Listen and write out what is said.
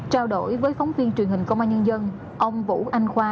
trao đổi với phóng viên truyền hình công an nhân dân ông vũ anh khoa